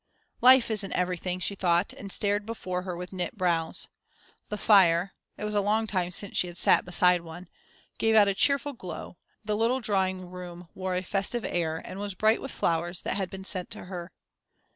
"Life isn't everything," she thought, and stared before her with knit brows. The fire it was a long time since she had sat beside one gave out a cheerful glow, the little drawing room wore a festive air and was bright with flowers that had been sent to her.